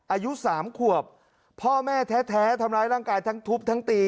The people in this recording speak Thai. อายุสามขวบพ่อแม่แท้ทำร้ายร่างกายทั้งทุบทั้งตี